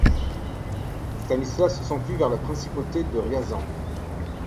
Stanislas s’enfuit vers la Principauté de Riazan.